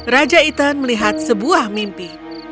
raja ethan melihat sebuah mimpi